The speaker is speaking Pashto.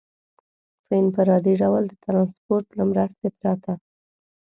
په انفرادي ډول د ټرانسپورټ له مرستې پرته.